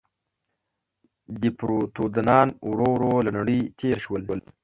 دیپروتودونان ورو ورو له نړۍ تېر شول.